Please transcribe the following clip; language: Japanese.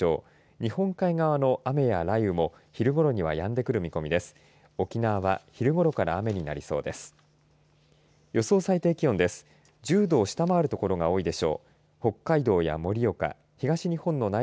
日本海側の雨や雷雨も昼ごろにはやんでくる見込みです。